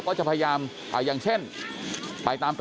คุณภูริพัฒน์บุญนิน